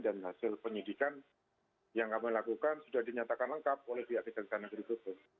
dan hasil penyelidikan yang kami lakukan sudah dinyatakan lengkap oleh pihak kecantikan negeri kursus